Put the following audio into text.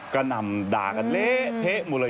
ก็นำด่ากันเละเทะหมดเลย